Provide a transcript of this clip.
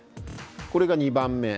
これが２番目。